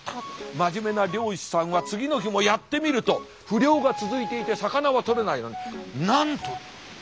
真面目な漁師さんは次の日もやってみると不漁が続いていて魚は取れないのになんと！